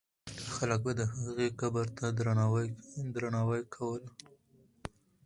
خلک به د هغې قبر ته درناوی کوله.